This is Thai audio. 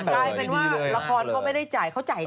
กลายเป็นว่าละครก็ไม่ได้จ่ายเขาจ่ายนะ